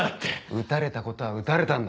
撃たれたことは撃たれたんだ。